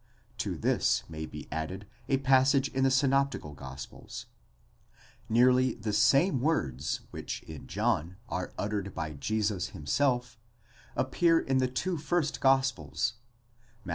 To this may be added a passage in the synoptical gospels. Nearly the same words which in John are uttered by Jesus himself, appear in the two first gospels (Matt.